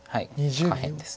下辺です。